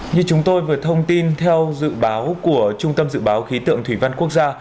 như chúng tôi vừa thông tin theo dự báo của trung tâm dự báo khí tượng thủy văn quốc gia